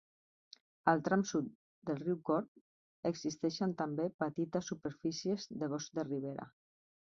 Al tram sud del riu Corb existeixen també petites superfícies de bosc de ribera.